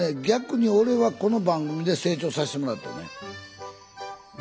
逆に俺はこの番組で成長させてもらったね。